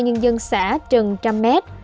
nhân dân xã trần trăm mét